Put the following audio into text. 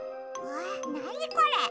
わあなにこれ？